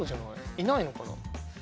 いないのかな。